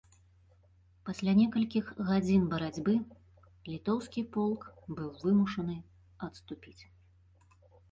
Пасля некалькіх гадзін барацьбы літоўскі полк быў вымушаны адступіць.